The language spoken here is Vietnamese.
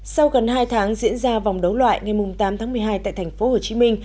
sau gần hai tháng diễn ra vòng đấu loại ngày tám tháng một mươi hai tại thành phố hồ chí minh